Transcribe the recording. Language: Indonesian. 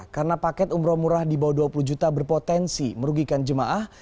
karena paket umroh murah di bawah dua puluh juta berpotensi merugikan jemaah